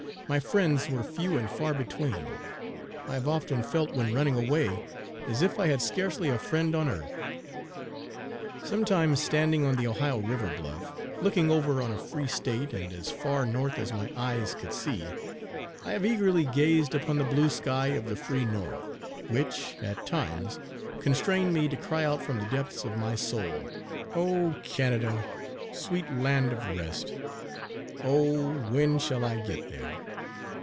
My friends were few and far between. I have often felt when running away as if I had scarcely a friend on earth. Sometimes standing on the Ohio River bluff, looking over on a free State, and as far north as my eyes could see, I have eagerly gazed upon the blue sky of the free North, which at times constrained me to cry out from the depths of my soul, Oh! Canada, sweet land of rest Oh! when shall I get there!